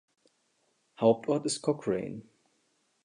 Hauptort ist Cochrane.